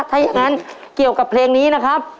ถ้าอย่างนั้นเกี่ยวกับเพลงนี้นะครับ